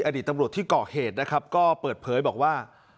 อดีตตำรวจที่เกาะเหตุนะครับก็เปิดเผยบอกว่า